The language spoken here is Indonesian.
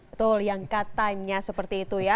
betul yang cut timenya seperti itu ya